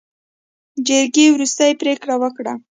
جرګې وروستۍ پرېکړه وکړه.